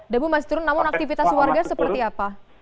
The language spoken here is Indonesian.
debu masih turun namun aktivitas warga seperti apa